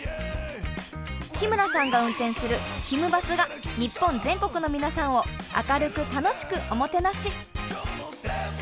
日村さんが運転する「ひむバス」が日本全国の皆さんを明るく楽しくおもてなし。